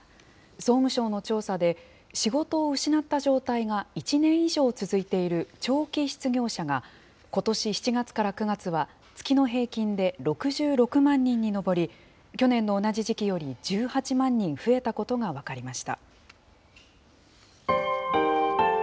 総務省の調査で、仕事を失った状態が１年以上続いている長期失業者が、ことし７月から９月は、月の平均で６６万人に上り、去年の同じ時期より１８万人増えたことが分かりました。